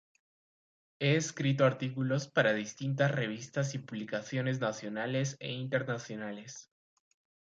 Ha escrito artículos para distintas revistas y publicaciones nacionales e internacionales.